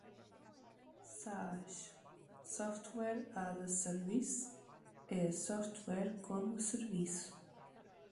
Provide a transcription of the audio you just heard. SaaS (Software as a Service) é software como serviço.